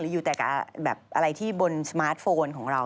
อยู่แต่กับอะไรที่บนสมาร์ทโฟนของเรา